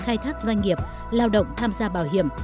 khai thác doanh nghiệp lao động tham gia bảo hiểm